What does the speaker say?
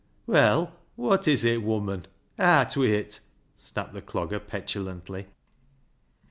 " Well, wot is it, woman ? Aat wi' it," snapped the Clogger petulantly.